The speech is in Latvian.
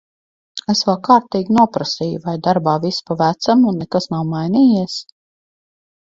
Es vēl kārtīgi noprasīju, vai darbā viss pa vecam un nekas nav mainījies?